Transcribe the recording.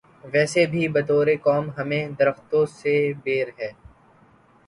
ویسے بھی بطور قوم ہمیں درختوں سے بیر ہے۔